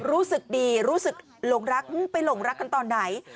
รู้สึกดีรู้สึกหลงรักไปหลงรักกันตอนไหน